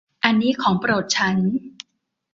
อันนี้ของโปรดฉัน